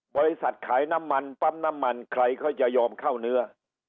บริษัทขายน้ำมันปั๊มน้ำมันใครก็จะยอมเข้าเนื้อ